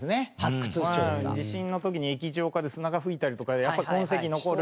地震の時に液状化で砂が噴いたりとかやっぱり痕跡が残る。